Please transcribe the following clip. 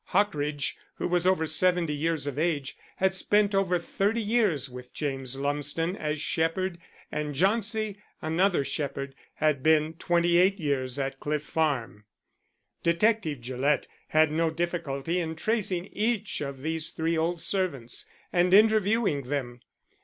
Hockridge, who was over seventy years of age, had spent over thirty years with James Lumsden as shepherd, and Jauncey, another shepherd, had been twenty eight years at Cliff Farm. Detective Gillett had no difficulty in tracing each of these three old servants and interviewing them.